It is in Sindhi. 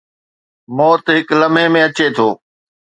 موت هڪ لمحي ۾ اچي ٿو.